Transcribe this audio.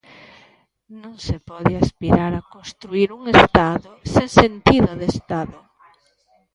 Non se pode aspirar a construír un Estado sen sentido de Estado.